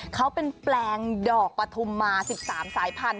เขาเป็นแปลงดอกปฐุมมา๑๓สายพันธุ